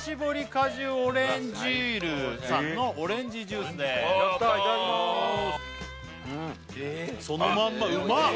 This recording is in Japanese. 果汁おれんじーるさんのオレンジジュースですやったいただきまーすそのまんまうまっ